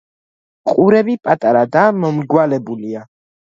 ყურები პატარა და მომრგვალებულია.